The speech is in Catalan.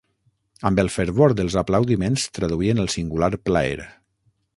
Amb el fervor dels aplaudiments traduïen el singular plaer.